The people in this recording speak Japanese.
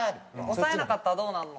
押さえなかったらどうなるの？